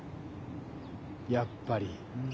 やっぱり。